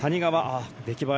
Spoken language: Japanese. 出来栄え